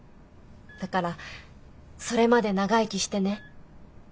だからそれまで長生きしてね。